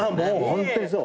ホントにそう。